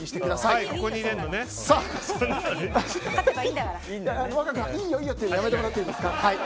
いいよいいよって言うのやめてもらっていいですか。